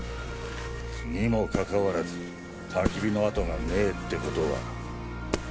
にもかかわらずたき火の跡がねえって事は。